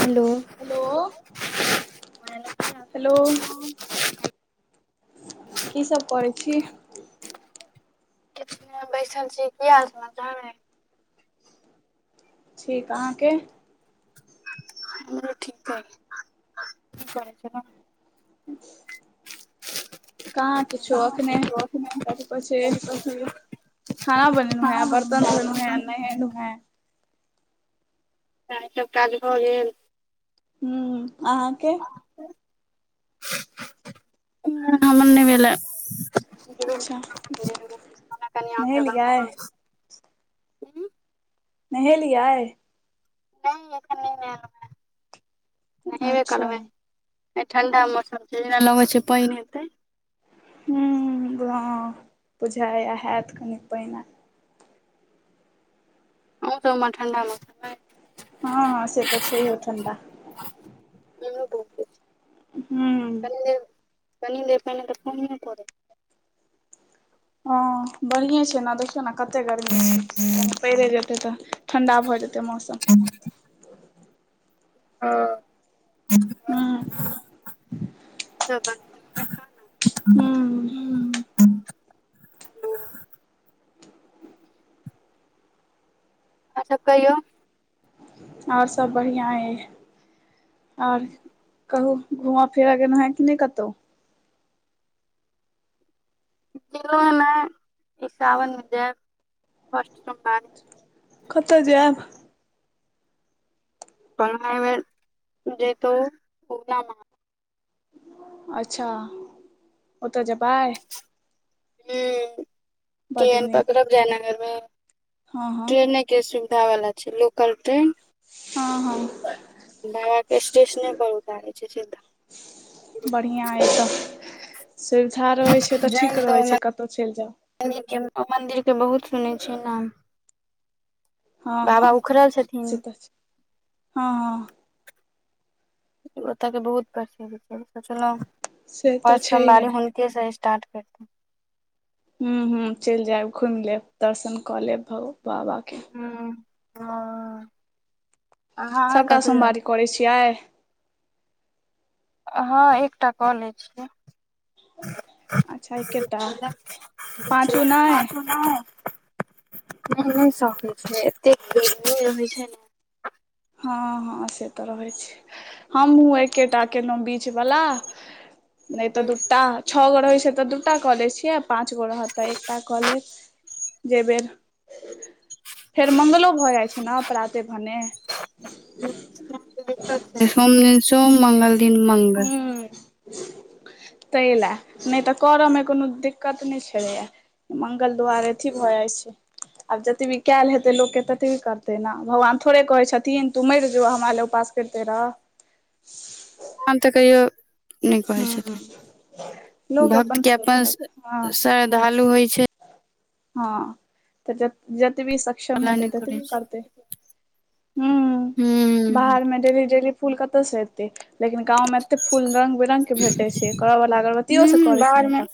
Hello. Hello, hello. की सब करै छी? हम बैसल छी, की हाल-समाचार अय। ठीक अहाँके। हमरो ठीक अय की करै छेलौं। [unintelligible] [unintelligible] कहाँ किछो एखने कथी कहै छैय। खाना बनेलू हैं बर्तन धोलू हैं नहेलू हैं। इएह सब काज भऽ गेल। हूं अहाँके। हं हमर नहि भेलै। [unintelligible] अच्छा कनियां सऽ बात नहेलियै [unintelligible] नहेलिये। नहि एखन नहि नहेलौ हैं नहेबे अच्छा करबै। आय ठंडा मौसम छैय जेना लगे छैय पइन हेतै। हूं हँ बुझैया हैत कनि पइन आय। अहुँ सबमें ठण्डा मौसम आइ। हँ से तऽ छैहे ठंडा। हम बलती हूँ। कनि देर कनि नहि कनि देर पइने पड़ै। हँ बढ़िए छैय ना दे केना कते गर्मी छैयकनि पैरे जेतै तऽ ठण्डा भऽ जेतै मौसम। हँ। हूं। हूं। अच्छा कहियौ। आओर सब बढ़िआँ अइ आओर कहु। घुमऽ फिरऽ गेलौ हैं कि नहि कतौ? गेलों ये नहि ई सावन में जैब फर्स्ट सोमबारी। कतऽ जैब। ओना अइ बेर जैतौं उग्ना महा अच्छा ओ तऽ जेबाय। हूं बड्ड ट्रेन नीक पकड़ब जायनगर में हँ हँ ट्रेने के सुविधा वला छैय लोकल ट्रेन हँ हँ। बाबा के स्टेशने पर उतारै छैय सीधा। बढ़िआँ अइ तऽ सुविधा रहै छैय तऽ ठीक रहै छैय कतौ चइल जाउ। मन्दिर के मन्दिर के बहुत सुनै छियै नाम। हँ हँ बाबा उखड़ल छथिन। से तऽ हँ हँ। ओतऽ के बहुत प्रसिद्ध छैय सोचलौं से तऽ हर सोमवारी छैहे हुन के स्टार्ट करतै। हं-हं चइल जैब घुइम लेब दर्शन कऽ लेब भऽ बाबा के। हूँ हँ। सभटा सोमवारी करै छियै। हँ एकटा कऽ लै छियै। अच्छा एकेटा पाँचू नहि बाजू नैऽ। नै-नै सकै छै, एतेक गर्मी रहै छै न। हँ- हँ से तऽ रहै छै। हमहुँ एकेटा केलौं बीच वला। नै तऽ दूटा छ गो रहै छै तऽ दूटा कऽ दै छियै। पांच गो रहत तऽ एकटा कलेब। जे बेर फेर मंगलो भऽ जाइ छै नऽ पराते भेने। सैह तऽ दिक्कत छै, सोम दिन सोम मंगल दिन मंगल। तै लेए नै तऽ करअमे कोनो दिक्कत नै छलैए। मंगल द्वारे अथी भऽ जाइ छै। आब जतबि केल हेतै लोकके ततबि करतै ने, भगवान थोड़े कहै छथिन। तीन तू मैर जो हम लेए उपास कैरते रह। हम तऽ कैहयौ। नै कहै हूँ छथिन, लोक भक्त के अपन श्रद्धा, हँ श्रद्धालु होइ छै। हँ तऽ जतबी शक क्षम हेतै ततबि करैतै, हूं बाहर में डेली -डेली फूल कतऽ से एतै, लेकिन गांव में एते फूल रंग-बिरंग। रंग के भेटै छै, करऽ बला अगरबत्तीओ से करै छै नै तऽ।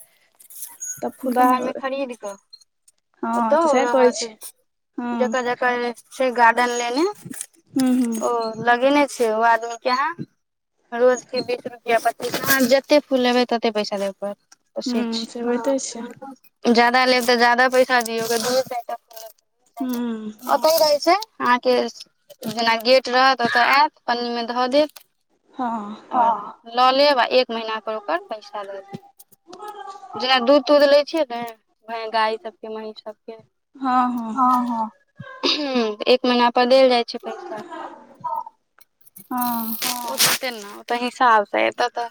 तब फूलो ने बाहर मे खरीद कऽ। हँ ओतौ तऽ सएह कहै रहत छै हँ जत जकर छै गार्डन लेने, हूँ हूँ ओ लगेने छै ओ आदमी के अहाँ रोजके बीस रुपैआ पचीस अहाँ जतेक फूल लेबै तते पैसा देबऽ पड़त। ओ से छै। जादा लेब तऽ जादा पैसा दियौ, दूये चैऽटा फूल लेब तऽ दूये हूँ चैऽटा रहै छै अहाँके जेना गेट रहत ओतय एत पन्नी मे धऽ देत। हंऽ। ह लऽ लेब आ एक महीना पर ओकर पैसा दऽ देब। जेना दूध- तूध लै छियै ने, गाय सबके महीस सबके। हँ हँ अह एक महीना पर देल जाइ छै पैसा। हां। तेना हिसाबसँ ए तऽ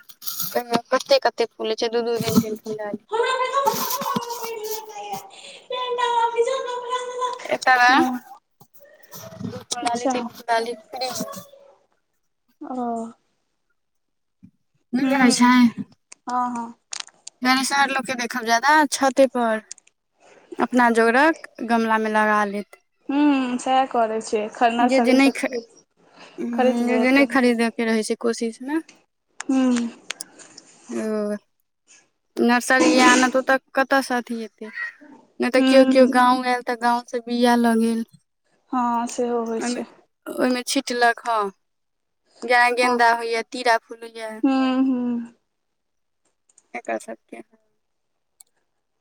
कते- कते फूल छै दू -दू तीन-तीन डाली। [unintelligible] हँ अच्छा [inaudible] ओ। नै रहै छै। हं - हं। जनीसार लोक के देखब जादा छते पर। अपना जोगरक गमला में लगा लेत। हूं सैह करै छै। खरना सब इसब खरीद खरीद ले तऽ हू। हूं। ओ नर्सरी आन तऽ ओतऽ कतऽसँ अथी हेते। नै तऽ कियो -कियो हूं गाँंव आयल तऽ गाँंव से बिया लऽ गेल। हं सेहो होइ छै। ओइमे छिटलक ह, जेना हँ गेन्दा होइएा तीरा फूल होइए। हूं हूं एकर सबके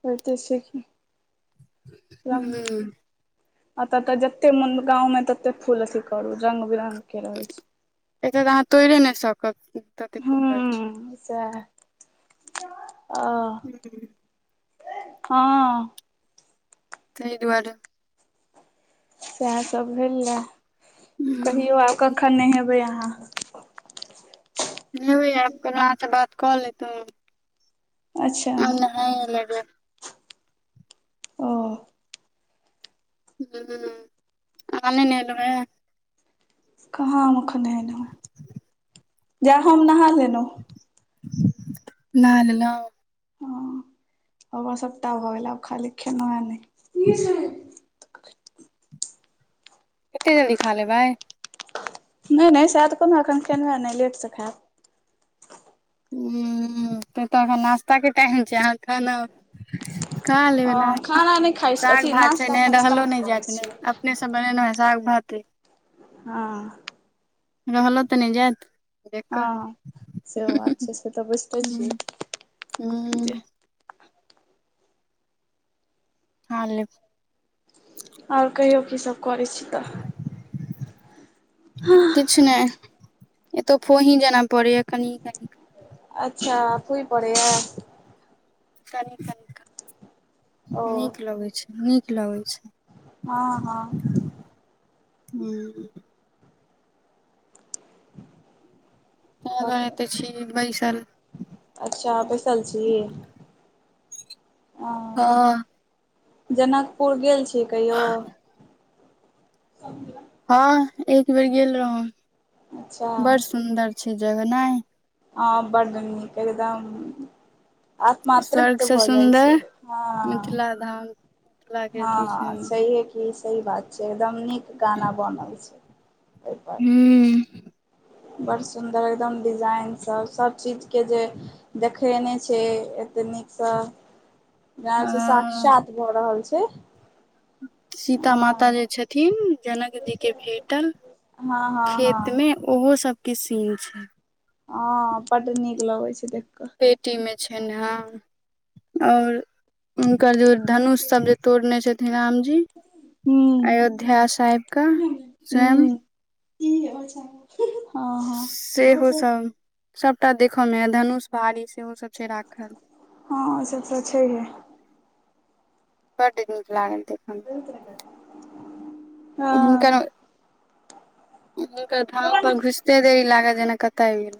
होयते छै कि रंग अता ते जते मन गांव मे तते फूल अथी करू रंग-बिरंग के रहै छै। एता तऽ अहाँ तोएड़े नै सकब तते फूल रहै छै। हुं साएह। अ। हुं। हां। तै दुआरे साएह सब भेला कहियौ आब कखन नेहेबै अहाँ? नहेबै आब कहलौ अहाँ सँ बात कऽ लेतौं। अच्छा। आब नहाए लेबै। ओ। हम्म अहाँ नै नहेलौ अय। कहाँ हम अखन नहेलु हें जा हम नहा लेलौ। नहा लेलौ। हां। हमर सबटा भऽ गेल आब खाली खेनाय नै [inaudible] एते जल्दी खा लेबै। नै-नै साएह तऽ कहलौ अखन खेलौ अय नै लेट से खाएब। हम्म तैं तऽ एखन नास्ता के टाइम छै, अहाँ खाना खा लेबै ने, हँ खाना नहि खाइ छी साग अथी भात छै नाश्ता नै फास्ता रहलो नहि नै करै जात ने छियै अपने से त बनेने हय साग-भाते। हां। रहलौ तऽ नै जाएत। हां से बात छै से तऽ बुझतै छी जे हां लिप और कहियौ की सब करै छी तऽ। किछ नै एतौ फोही जना पड़ैया कनि-कनि। अच्छा फुही पड़ेया। ओ नीक लगै छै, नीक लगै छै। हां-हां। हम्म। तै दुआरे पड़ैया। ते छी बैसल। अच्छा बैसल छी। आं। हां। जनकपुर गेल छी कहियौ? [unintelligible] हां एक बेर गेल रहौ, अच्छा बड़ सुन्दर छै जगह नै? हां बड नीक एकदम आत्मा तृप्त भऽ जाय छै हां। हां सहिये की। ई सही बात छै एकदम नीक गाना बनल छै ओइ पर। बड़ सुन्दर एकदम डिजाइन सभ सभचीजके जे। देखेने छै एतेक नीकसँ। यैह छै साक्षात भऽ रहल छै। सीता हँ माता जे छथिन जनक जीके भेटल। हँ हँ हँ। मे ओहो सब के सीन छै। हँ बड्ड नीक लगैत छै देख कऽ। पेटी में छैन्ह हन और हुनकर जे धनुष सब जे तोड़ने छथिन रामजी ह्म अयोध्य ध्या से आइब के ह्म स्वयं। [unintelligible] हँ। सेहो हँ सभ सभटा देखऽ मे अय धनुष भारी सेहो सभ छै राखल। हँ से तऽ छैहे। बड नीक लागल देख छैहे हँ हुनकर। हुनकर धाम पर घुसते रही लागै जेना कतय आब गेल।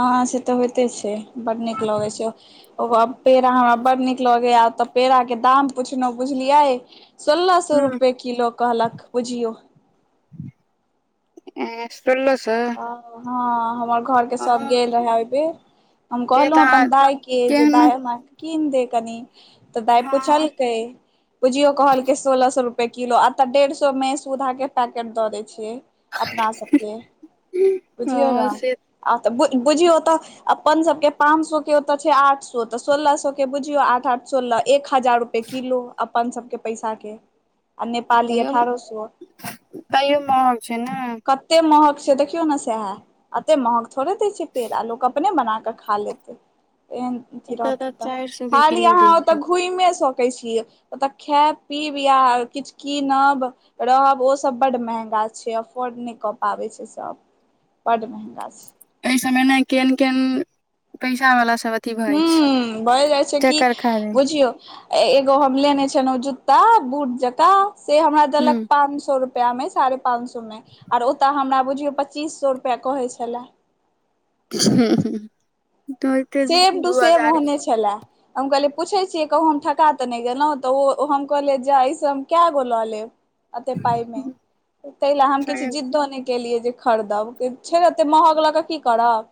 अ से तऽ होइते छैय बड नीक लगैत छैय। ओकर पेड़ा हमरा बड नीक लगैए तऽ पेड़ाके दाम पुछलहुँ बुझलियै। सोलह सौ रुपैए किलो कहलक बुझियौ। सोलह सौ। हाँ हमर घोरके सब गेल रहे एहिबेर। हम कहलहुं अपन दाय के जे दाय हमरा कीन दे कनी। तऽ दाय पुछलकै। भुजियो कहलके सोलह सौ रुपैए किलो आ तऽ डेढ़ सौमे सुधाके पैकेट दऽ दैत छीए। अपना सबके बुझियौ नहि आ त बुझियौ तऽ। अपन सबके पाँंच सौ के ओतय छैय आठ सौ तऽ सोलह सौ के बुझियौ आठ आठ। सोलह एक हजार रुपए किलो अपन सभके पैसाके। तैयो तैयो महग छैय नई। एते महग छैय देखियौ नहि सहे एते महग थोड़े देय छैय पेड़ लोक अपने बना कऽ। खा लेते एहन। अथि रहत तऽ खाली अहाँ ओतऽ घुमे सकै छियै। ओतऽ खैब पीब आ किछ कीनब। रहब ओसभ बड महंगा छैय अफोर्ड नहि कऽ पाबै छैय सभ। बड महँगा छै। एहि सबमे केहन केहन पैसा वला सब। हूँ भए जाए छै कि बुझयौ। एगो हम लेने छलहुं जूता बूट जकाँ से हमरा देलक पांच सौ रुप। रु में साढ़े पांच सौ में आर ओताे हमरा बुझियौ पच्चीस सो रुपआ कहे छले। उ हु। सेम टू सेम ओहने छले। हम कहलियै पूछै छियै कहूँ हम ठका तऽ नहि गेलहुँ तऽ ओ हम कहलियै जे एहिसँ हम कए गो लऽ लेब। अते पाइमे तैले हम किछु जिद्द नहि। केलियै जे खरीदब छैय नेहि एते महग लऽ कऽ की करब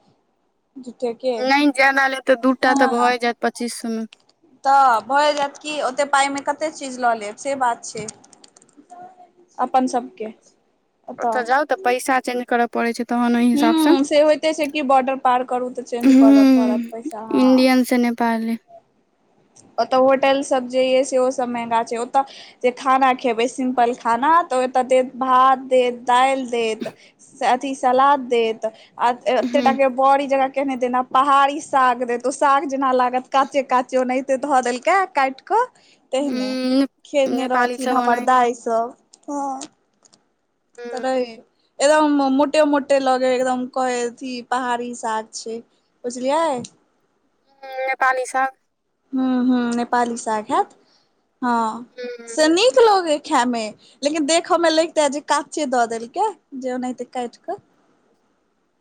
जूठे के। जेना ले तऽ दू टा तऽ भए जायत पच्चीस सौ मे। तऽ भऽ जायत कि ओतेक पाइमे कतेक चीज लऽ लेब से बात छैय। अपन सब के। ओतऽ जाउ तऽ पैसा चेंज करब। परे छैय तहन ओइ हिसाब सऽ हूँ से होइते छै कि बॉर्डर पार करू तऽ चेंज करऽ पड़त हुं पैसा हँ इन्डियन से नेपाल नेपाली ओतऽ होटल सब जे ये सेहो सब महंगा छैय ओतऽ जे खाना खेबै सिम्पल खाना तऽ ओतय देत भात देत दाइल देत। अथि सलाद देत आ आतेटा के। बड़ी जका केहने जेना पहाड़ी साग देत वो साग जेना लागत काचे काचो उनेहते। धऽ देल कै काइट कऽ तेहने खेेने रहथिन हमर दाइ सब। हां तरै एकदम मोटे मोटे लगे एकदम कहै अथि पहाड़ी साग छैय। बुझलियै। हुं नेपाली साग। हुं हुं नेपाली साग हैत हां से नीक लगैय खैमे लेकिन देखऽ मे लगितै जे कांचे दऽ देलकेैजे ओनाहिते काइट कऽ। [inaudible]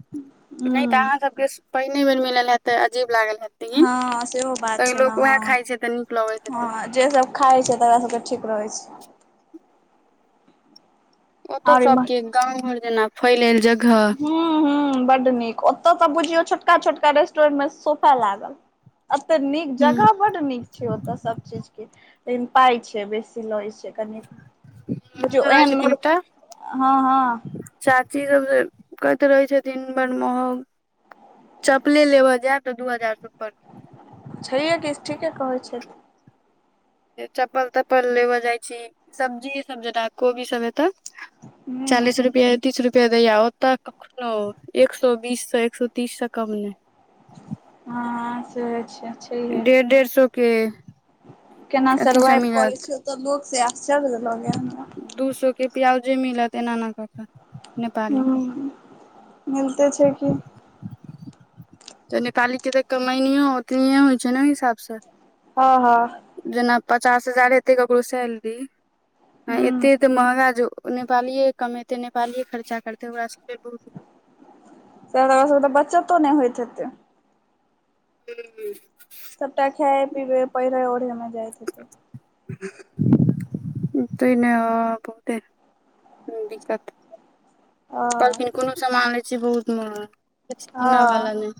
ह नहि तऽ अहां सब के पहिने बेर मिलल हेत त अजीब लागल हेत हां सेहो बात छैय नहि हां हां जे सब खाइ छैय तकरा सब के ठीक रहै छैय। ओतौ आओर इम्हर सबके गाँंव-घर जेना फैल ऐल जगह हूं हूं बड नीक। ओतौ तऽ बुझियौ छोटका- छोटका रेस्टोरेंट मे सोफा लागल। एते नीक जगह बड नीक छै ओतय सब चीज के लेकिन पाय छैय बेसी लय छैय। बुझयो एहन मुर्ख हं हं चाची सब जे कहैत रहय छथिन बड़ महग चपले लेबऽ जायब तऽ दू हजार तक पड़त। छैइहे कि ठीके कहय छैय। चप्पल तप्पल लेबऽ जाइ छीही। सब्जीये सभ जेतऽ कोबी सभ हेतैऽ हूं चालीस रुपए तीस रुपए दैए या ओतऽ कखनो एक सो बीस सऽ एक सो तीस सऽ कम नहि। हं से होय छैय। डेढ़ डेढ़ सौ के केना सर्वाइव कलै छैय ओतय लोक सऽ आश्चर्य लगय ये हमरा। दू सो के प्याजे मिलत एना एना कऽ कऽ। नेपाली पर। हूँ मिलते छै कि तऽ नेपाली के तऽ कमाइनीयो ओतनीये होइ छैय न हिसाब स। हं हं जेना पचास हजार हेतै ककरो सैलरी हं हूँ एते एते महगा जे नेपालिए कमेतै नेपालिए खर्चा करतै ओकरा सभके बहुत तऽ ओकरा सब के बचतो नहि होइत हेतै। हूं हूं सबटा खाए पिबए पहिरय-ओढ़य मे जाइत हेतय। [inaudible] तैऽ नहि आ बहुते दिक्कत हँ कहलखिन कोनो सामान लेैय छी बहुत महग किछु किनय हँ वाला नहि।